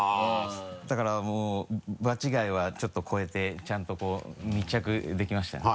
だからもう場違いはちょっと越えてちゃんとこう密着できましたね。